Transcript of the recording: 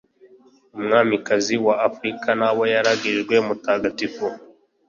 umwamikazi wa afrika n’aboyaragijwe mutagatifu